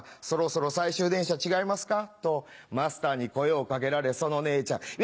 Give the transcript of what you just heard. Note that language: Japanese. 「そろそろ最終電車違いますか？」とマスターに声を掛けられその姉ちゃん。